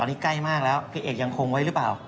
อันนี้ใกล้มากแล้วพี่เอกยังคงไว้หรือเปล่า